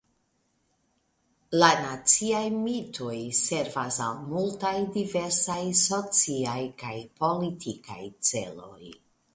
La naciaj mitoj servas al multaj diversaj sociaj kaj politikaj celoj.